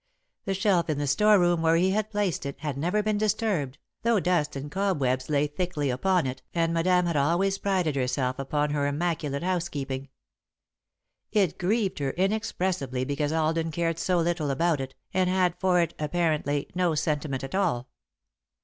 The shelf in the storeroom, where he had placed it, had never been disturbed, though dust and cobwebs lay thickly upon it and Madame had always prided herself upon her immaculate housekeeping. It grieved her inexpressibly because Alden cared so little about it, and had for it, apparently, no sentiment at all.